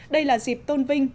đây là dịp tôn vinh